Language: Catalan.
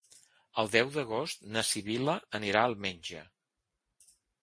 El deu d'agost na Sibil·la anirà al metge.